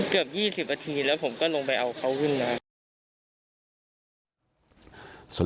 เกือบ๒๐นาทีแล้วผมก็ลงไปเอาเขาขึ้นมา